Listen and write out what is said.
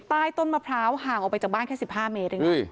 ใต้ต้นมะพร้าวห่างออกไปจากบ้านแค่๑๕เมตรเองนะ